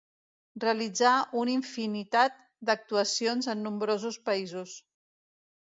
Realitzà una infinitat d'actuacions en nombrosos països.